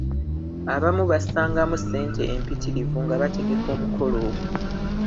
Abamu bassangamu ssente empitirivu nga bategeka omukolo ogwo.